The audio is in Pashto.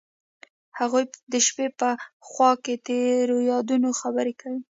هغوی د شپه په خوا کې تیرو یادونو خبرې کړې.